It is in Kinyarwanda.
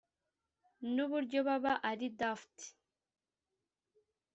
nuburyo baba ari daft.